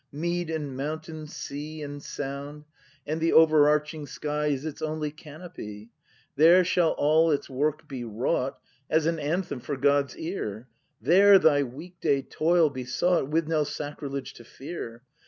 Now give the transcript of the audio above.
Mead and mountain, sea and sound; And the overarching sky Is its only canopy. There shall all thy work be wrought As an anthem for God's ear. There thy week day toil be sought With no sacrilege to fear.